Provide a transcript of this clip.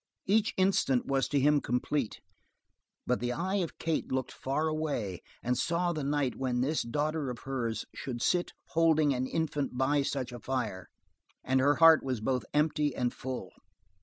Each instant was to him complete, but the eye of Kate looked far away and saw the night when this daughter of hers should sit holding an infant by such a fire, and her heart was both empty and full.